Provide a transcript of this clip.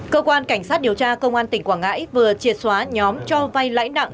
cơ quan cảnh sát điều tra công an tỉnh quảng ngãi vừa triệt xóa nhóm cho vay lãi nặng